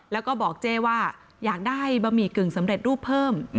แล้วก็บอกเจ๊ว่าอยากได้บะหมี่กึ่งสำเร็จรูปเพิ่ม